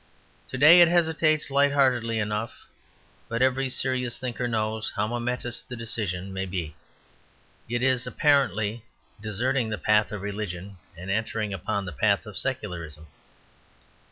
To day it hesitates, lightheartedly enough, but every serious thinker knows how momentous the decision may be. It is, apparently, deserting the path of religion and entering upon the path of secularism.